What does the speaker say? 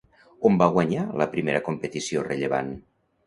On va guanyar la primera competició rellevant?